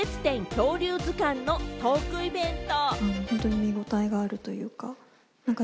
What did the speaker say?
「恐竜図鑑」のトークイベント。